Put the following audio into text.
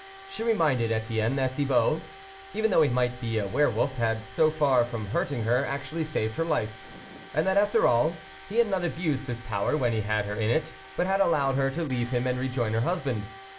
She reminded Etienne that Thibault, even though he might be a were wolf, bad, so far from hurting her, actually saved her life ; and that after all, he had not abused his power when he had her in it, but had allowed her to leave him and rejoin her husband.